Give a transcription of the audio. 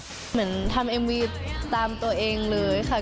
มีอัพพลังเหมือนที่ทำวีวิดีโอตามตัวเองเลยค่ะ